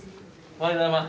おはようございます。